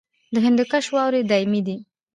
د هندوکش واورې دایمي دي